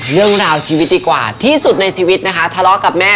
เรื่องราวชีวิตดีกว่าที่สุดในชีวิตนะคะทะเลาะกับแม่